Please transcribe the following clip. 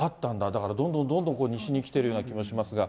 だからどんどんどんどんこれ、西に来てるような気がしますが。